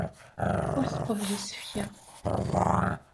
Ur tqebbel isefka.